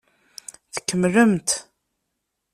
Tkemmlemt.